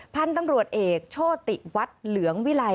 พันธุ์ตำรวจเอกโชติวัฒน์เหลืองวิลัย